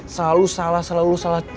selalu salah selalu salah